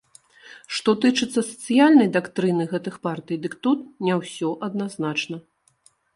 Што тычыцца сацыяльнай дактрыны гэтых партый, дык тут не ўсё адназначна.